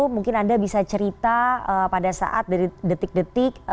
mungkin anda bisa cerita pada saat dari detik detik